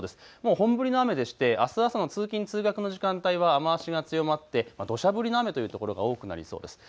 本降りの雨でしてあす朝の通勤、通学の時間帯は雨足が強まってどしゃ降りの雨という所が多くなりそうです。